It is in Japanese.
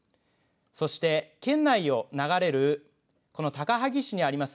そして県内を流れるこの高萩市にあります